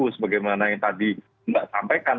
sebagaimana yang tadi mbak sampaikan